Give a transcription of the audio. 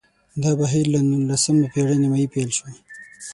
دا بهیر له نولسمې پېړۍ نیمايي پیل شو